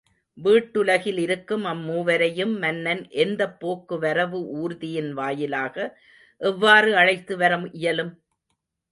வீட்டுலகில் இருக்கும் அம்மூவரையும் மன்னன் எந்தப் போக்கு வரவு ஊர்தியின் வாயிலாக எவ்வாறு அழைத்து வர இயலும்?